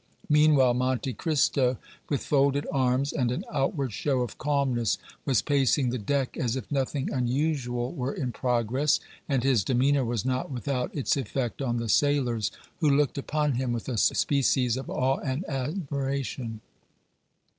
Meanwhile, Monte Cristo, with folded arms and an outward show of calmness, was pacing the deck as if nothing unusual were in progress, and his demeanor was not without its effect on the sailors, who looked upon him with a species of awe and admiration.